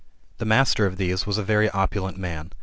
The master of these was a very opulent man.